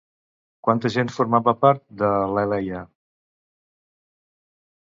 Quanta gent formava part de l'Heliea?